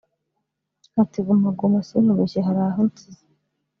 Ati “ Guma Guma sinkubeshye hari aho insize